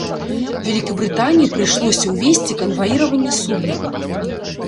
Вялікабрытаніі прыйшлося ўвесці канваіраванне суднаў.